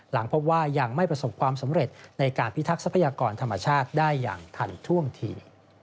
หลังพบว่ายังไม่ประสบความสำเร็จในการพิทักษัพยากรธรรมชาติได้อย่างทันท่วงที